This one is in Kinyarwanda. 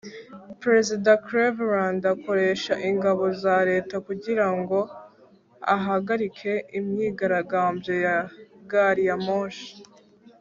perezida cleveland akoresha ingabo za leta kugirango ahagarike imyigaragambyo ya gari ya moshi